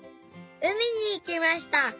海にいきました。